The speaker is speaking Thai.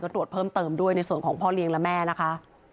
ตรวจเพิ่มเติมด้วยในส่วนของพ่อเลี้ยงและแม่นะคะ